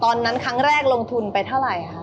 ตอนนั้นครั้งแรกลงทุนไปเท่าไหร่คะ